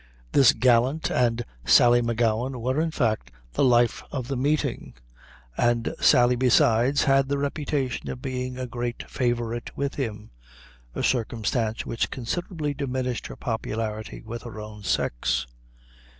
This gallant and Sally M'Gowan, were in fact, the life of the meeting; and Sally, besides, had the reputation of being a great favorite with him a circumstance which considerably diminished her popularity with her own sex.